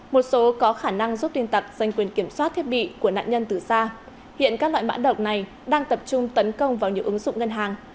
một số có khả năng giúp tên tập dành quyền kiểm soát thiết bị của nạn nhân từ xa hiện các loại mã độc này đang tập trung tấn công vào nhiều ứng dụng ngân hàng